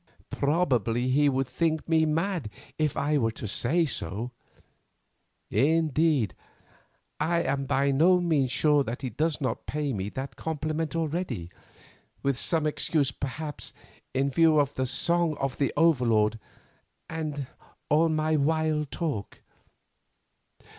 Probably he would think me mad if I were to say so; indeed, I am by no means sure that he does not pay me that compliment already, with some excuse, perhaps, in view of the 'Song of the Overlord' and all my wild talk.